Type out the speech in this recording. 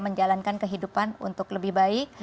menjalankan kehidupan untuk lebih baik